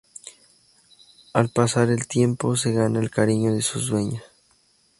Al pasar el tiempo se gana el cariño de sus dueños.